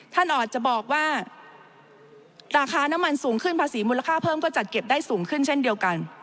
อาจจะบอกว่าราคาน้ำมันสูงขึ้นภาษีมูลค่าเพิ่มก็จัดเก็บได้สูงขึ้นเช่นเดียวกัน